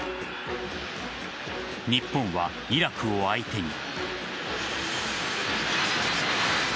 日本はイラクを相手に。